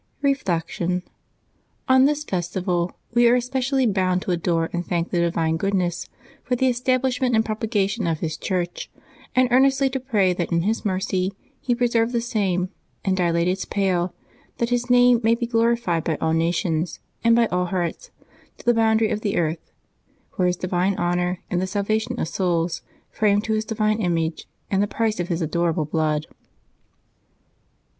Reflection. — On this festival we are especially bonnd to adore and thank the Divine Goodness for the establish ment and propagation of His Church, and earnestly to pray that in His mercy He preserve the same, and dilate its pale, that His name may be glorified by all nations, and by all hearts, to the boundaries of the earth, for His di vine honor and the salvation of souls, framed to His divine image, and the price of His adorable blood.